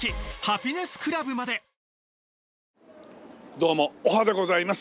どうもおはでございます。